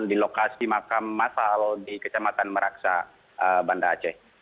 di lokasi makam masal di kecamatan meraksa banda aceh